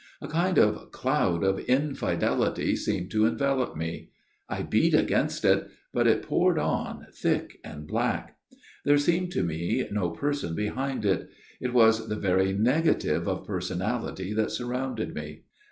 A kind of cloud of infidelity seemed to envelop me. I beat against it ; but it poured on, thick and black. There seemed to me no Person behind it ; it was the very negative of Personality that surrounded me.